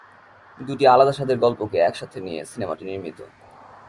দুটি আলাদা স্বাদের গল্পকে একসাথে নিয়ে সিনেমাটি নির্মিত।